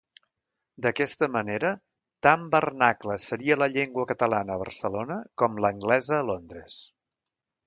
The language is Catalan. D’aquesta manera, tan vernacla seria la llengua catalana a Barcelona com l’anglesa a Londres.